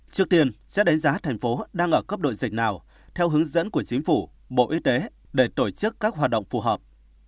trước tiên sẽ đánh giá thành phố đang ở cấp độ dịch nào theo hướng dẫn của chính phủ bộ y tế để tổ chức các hoạt động phù hợp